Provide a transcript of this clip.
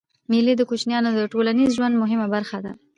مېلې د کوچنيانو د ټولنیز ژوند مهمه برخه ده.